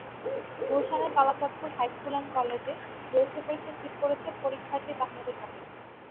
গুলশানের Kalachandpur high school and কলেজে JSC পরীক্ষার সিট পড়েছে পরীক্ষার্থী তাহমিদুল হকের।